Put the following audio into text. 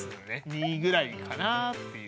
２ぐらいかなっていう。